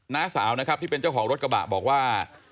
น้าสาวนะครับที่เป็นเจ้าของรถกระบะบอกว่า